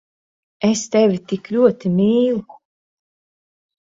Es tevi tik ļoti mīlu…